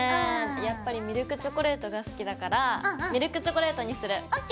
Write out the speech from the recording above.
やっぱりミルクチョコレートが好きだからミルクチョコレートにする！ＯＫ！